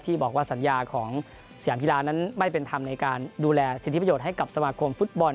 บอกว่าสัญญาของสยามกีฬานั้นไม่เป็นธรรมในการดูแลสิทธิประโยชน์ให้กับสมาคมฟุตบอล